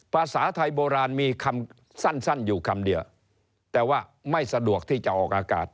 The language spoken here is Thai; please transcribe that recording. ภาษาไทยโบราณมีคำสั้นอยู่คำเดียวแต่ว่าไม่สะดวกที่จะออกอากาศ